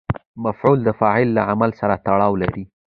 مفعول د فاعل له عمل سره تړاو لري.